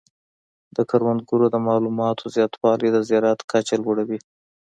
د کروندګرو د معلوماتو زیاتوالی د زراعت کچه لوړه وي.